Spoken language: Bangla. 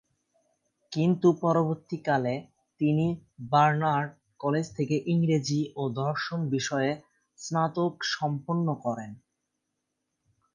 কিন্তু পরবর্তীকালে তিনি বার্নার্ড কলেজ থেকে ইংরেজি ও দর্শন বিষয়ে স্নাতক সম্পন্ন করেন।